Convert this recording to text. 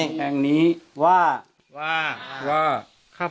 ข้าพเจ้านางสาวสุภัณฑ์หลาโภ